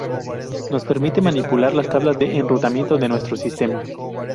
Nos permite manipular las tablas de enrutamiento de nuestro sistema.